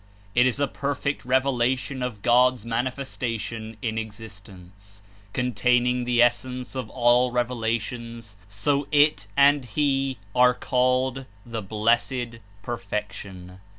It is a perfect Revelation of God's Manifestation in Exist ence, containing the essence of all revelations; so It and He are called *'The Blessed Perfection."